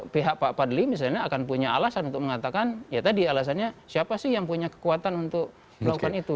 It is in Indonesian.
pihak pak fadli misalnya akan punya alasan untuk mengatakan ya tadi alasannya siapa sih yang punya kekuatan untuk melakukan itu